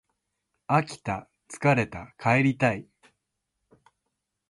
飽きた疲れた帰りたい